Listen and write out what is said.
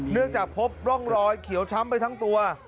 จากพบร่องรอยเขียวช้ำไปทั้งตัว